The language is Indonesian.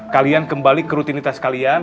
kalian kembali ke rutinitas kalian